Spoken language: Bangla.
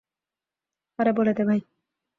আরে বলে দে ভাই।